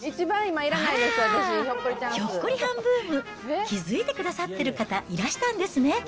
あらー、ひょっこりはんブーム、気付いてくださってる方いらしたんですね。